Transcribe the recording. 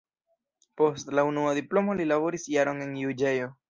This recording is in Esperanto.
Post la unua diplomo li laboris jaron en juĝejo.